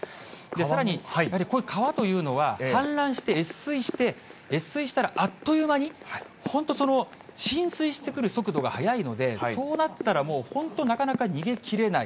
さらに、こういう川というのは、氾濫して越水して、越水したらあっという間に、本当、浸水してくる速度が速いので、そうなったらもう、本当になかなか逃げ切れない。